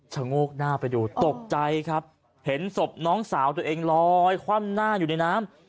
เห็นศพน้องสาวตัวเองลอยคว่ำหน้าอยู่ในน้ำ